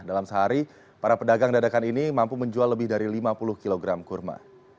dalam sehari para pedagang dadakan ini mampu menjual lebih dari lima puluh kg kurma